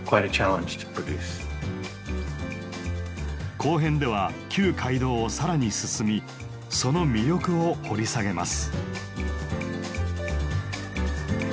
後編では旧街道を更に進みその魅力を掘り下げます。